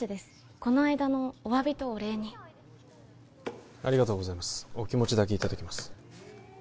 この間のお詫びとお礼にありがとうございますお気持ちだけいただきます